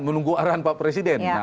menunggu arahan pak presiden